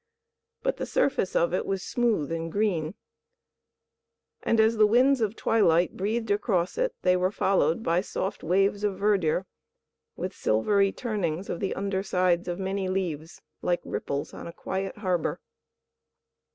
But the surface of it was smooth and green; and as the winds of twilight breathed across it they were followed by soft waves of verdure, with silvery turnings of the under sides of many leaves, like ripples on a quiet harbour.